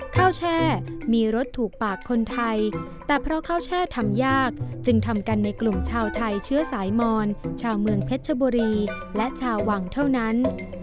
แช่มีรสถูกปากคนไทยแต่เพราะข้าวแช่ทำยากจึงทำกันในกลุ่มชาวไทยเชื้อสายมอนชาวเมืองเพชรชบุรีและชาววังเท่านั้น